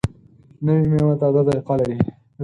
نوې میوه تازه ذایقه لري